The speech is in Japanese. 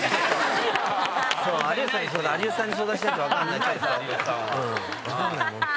有吉さんに相談しないと分かんないちょっと本当。